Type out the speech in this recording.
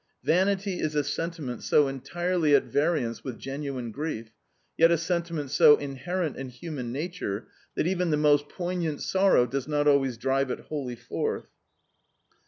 Vanity is a sentiment so entirely at variance with genuine grief, yet a sentiment so inherent in human nature, that even the most poignant sorrow does not always drive it wholly forth.